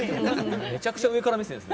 めちゃくちゃ上から目線ですね。